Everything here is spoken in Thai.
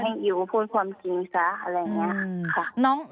อิ๋วพูดความจริงซะอะไรอย่างนี้ค่ะ